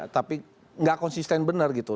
tapi nggak konsisten benar gitu